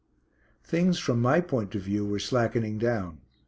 Things, from my point of view, were slackening down.